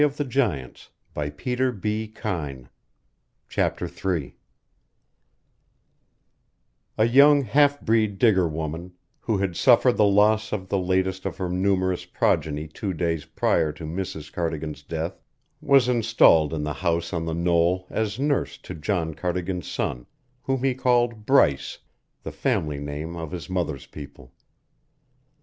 And he would gather more redwoods now! CHAPTER III A young half breed Digger woman, who had suffered the loss of the latest of her numerous progeny two days prior to Mrs. Cardigan's death, was installed in the house on the knoll as nurse to John Cardigan's son whom he called Bryce, the family name of his mother's people.